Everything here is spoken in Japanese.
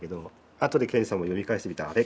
あとで賢治さんも読み返してみてあれ？